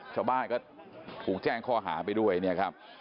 ชาวบ้านก็ถูกแจ้งข้อหาไปด้วย